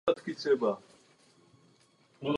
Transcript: V následujících letech vyráží kapela do zahraničí.